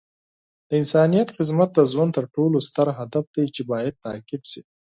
د انسانیت خدمت د ژوند تر ټولو ستر هدف دی چې باید تعقیب شي.